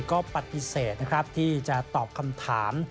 ก็ปัดพิเศษที่จะตอบคำถาม